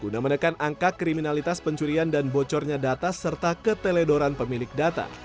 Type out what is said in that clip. guna menekan angka kriminalitas pencurian dan bocornya data serta keteledoran pemilik data